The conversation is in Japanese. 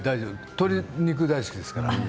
鶏肉、大好きですから。